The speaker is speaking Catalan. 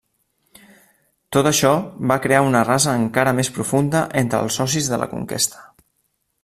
Tot això va crear una rasa encara més profunda entre els socis de la conquesta.